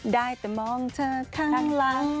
ได้แต่มองเธอข้างหลัง